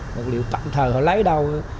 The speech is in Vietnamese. vật liệu tạm thờ lấy đau